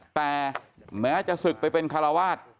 แต่แม้จะศึกไปเป็นคาราวาส